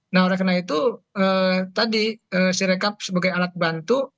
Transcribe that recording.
nah oleh karena itu tadi sirekap sebagai alat bantu